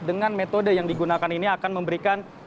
dengan metode yang digunakan ini akan memberikan